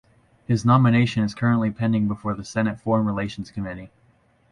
His nomination is currently pending before the Senate Foreign Relations Committee.